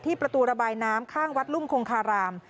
ประตูระบายน้ำข้างวัดรุ่มคงคาราม